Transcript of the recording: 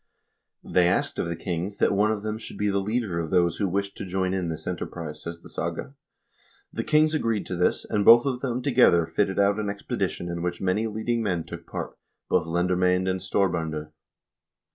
"They asked of the kings that one of them should be the leader of those who wished to join in this enterprise," says the saga. "The kings agreed to this, and both of them together fitted out an expedition in which many leading men took part, both lendermcend and storbfinder.